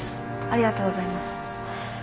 ありがとうございます。